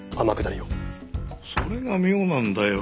それが妙なんだよ。